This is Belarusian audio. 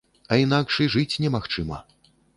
А інакш і жыць немагчыма.